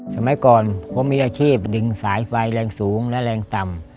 สมัยก่อนผมมีอาชีพดึงสายไฟแรงสูงและแรงต่ำ